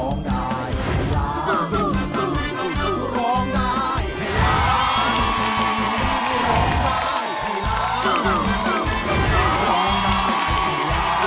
ร้องได้๑คำ